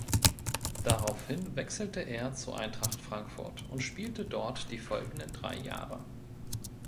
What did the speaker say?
Daraufhin wechselte er zu Eintracht Frankfurt und spielte dort die folgenden drei Jahre.